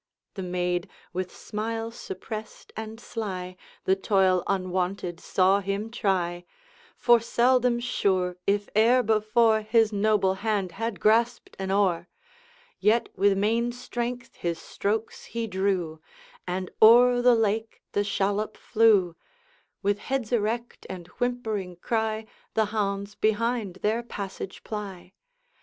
The maid, with smile suppressed and sly, The toil unwonted saw him try; For seldom, sure, if e'er before, His noble hand had grasped an oar: Yet with main strength his strokes he drew, And o'er the lake the shallop flew; With heads erect and whimpering cry, The hounds behind their passage ply.